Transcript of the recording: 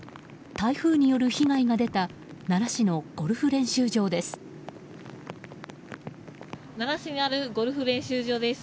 台風による被害が出た奈良市のゴルフ練習場です。